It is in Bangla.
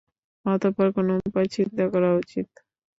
অতঃপর কোন উপায় চিন্তা করা উচিত।